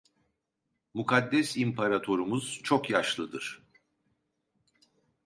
Mukaddes İmparatorumuz çok yaşlıdır.